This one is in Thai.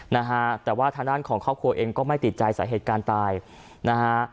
นะฮะแต่ว่าทางด้านของครอบครัวเองก็ไม่ติดใจสาเหตุการณ์ตายนะฮะ